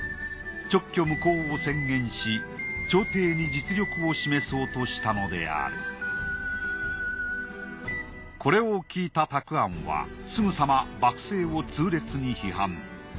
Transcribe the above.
勅許無効を宣言し朝廷に実力を示そうとしたのであるこれを聞いた沢庵はすぐさま幕政を痛烈に批判。